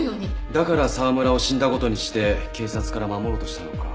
だから沢村を死んだ事にして警察から守ろうとしたのか。